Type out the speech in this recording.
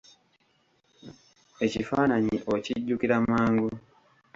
Ekifaananyi okijjukira mangu.